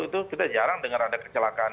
itu kita jarang dengar ada kecelakaan